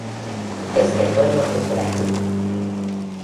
Este juego es gratuito.